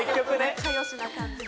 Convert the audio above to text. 仲よしな感じで。